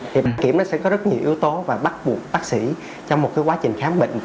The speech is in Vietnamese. bảng kiểm sẽ có rất nhiều yếu tố và bắt buộc bác sĩ trong một quá trình khám bệnh